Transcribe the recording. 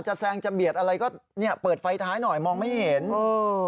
แซงจะเบียดอะไรก็เนี่ยเปิดไฟท้ายหน่อยมองไม่เห็นเออ